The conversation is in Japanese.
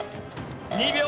２秒。